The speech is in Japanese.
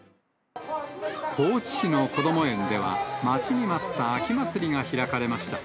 高知市のこども園では、待ちに待った秋祭りが開かれました。